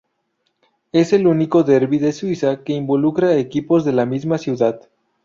Es el único derby de Suiza que involucra a equipos de la misma ciudad.